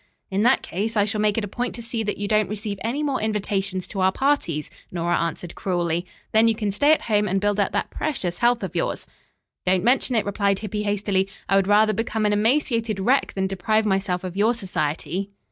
"In that case I shall make it a point to see that you don't receive any more invitations to our parties," Nora answered cruelly. "Then you can stay at home and build up that precious health of yours." "Don't mention it," replied Hippy hastily. "I would rather become an emaciated wreck than deprive myself of your society."